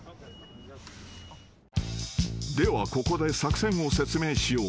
ではここで作戦を説明しよう］